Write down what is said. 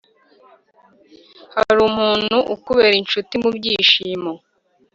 Hari umuntu ukubera incuti mu byishimo,